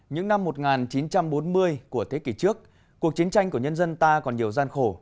những năm một nghìn chín trăm bốn mươi của thế kỷ trước cuộc chiến tranh của nhân dân ta còn nhiều gian khổ